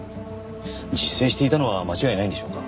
自生していたのは間違いないんでしょうか？